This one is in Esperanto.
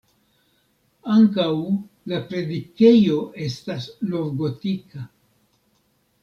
Ankaŭ la predikejo estas novgotika.